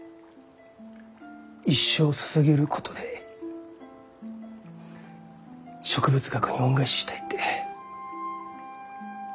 一生をささげることで植物学に恩返ししたいって。